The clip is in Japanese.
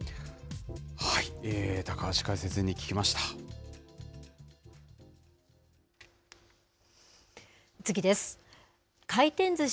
高橋解説委員に聞きました。